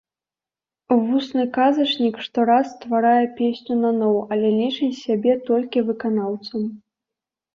Вусны казачнік штораз стварае песню наноў, але лічыць сябе толькі выканаўцам.